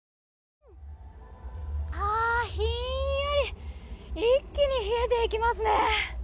ひんやり一気に冷えていきますね。